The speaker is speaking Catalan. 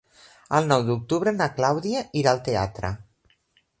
El nou d'octubre na Clàudia irà al teatre.